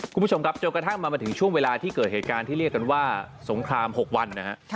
คุณผู้ชมครับจนกระทั่งมามาถึงช่วงเวลาที่เกิดเหตุการณ์ที่เรียกกันว่าสงคราม๖วันนะฮะ